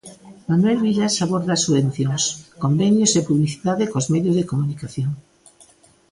Manuel Vilas aborda as subvencións, convenios e publicidade cos medios de comunicación.